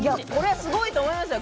すごいと思いますよ